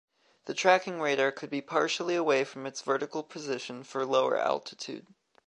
The tracking radar could be partially away from its vertical position for lower altitude.